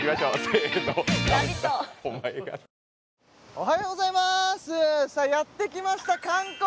おはようございますさあやってきました韓国！